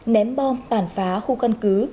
ném bom tàn phá khu căn cứ